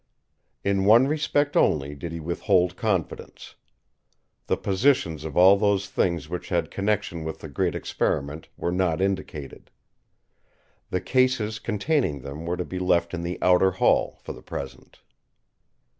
In one respect only did he withhold confidence. The positions of all those things which had connection with the Great Experiment were not indicated. The cases containing them were to be left in the outer hall, for the present.